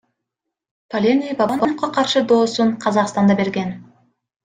Паленый Бабановго каршы доосун Казакстанда берген.